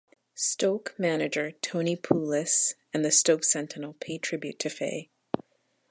Stoke manager Tony Pulis and the Stoke sentinel paid tribute to Faye.